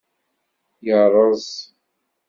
Yerreẓ.